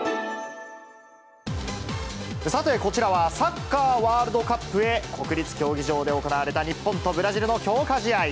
さて、こちらはサッカーワールドカップへ、国立競技場で行われた日本とブラジルの強化試合。